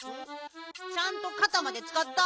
ちゃんとかたまでつかった？